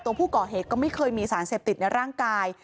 ตัวผู้ก่อเหตุก็ไม่เคยมีสารเสพติดในร่างกาย